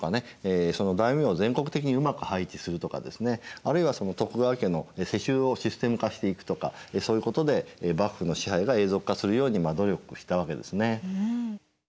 大名を全国的にうまく配置するとかですねあるいは徳川家の世襲をシステム化していくとかそういうことで幕府の支配が永続化するように努力したわけですね。